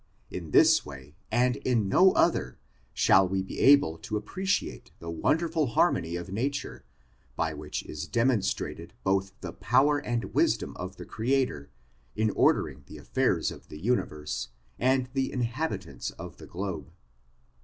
In this way, and in no other, shall we be able to appreciate the wonderful harmony of nature, by whicli is dem onstrated both the power and wisdom of the Creator, in ordering the afiairs of the universe, and the inhabi tants of the globe.